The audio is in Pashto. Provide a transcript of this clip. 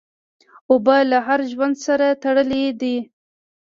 اوبه له هر ژوند سره تړلي دي.